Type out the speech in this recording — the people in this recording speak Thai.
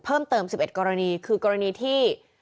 เพิ่มเติม๑๑กรณีคือกรณีที่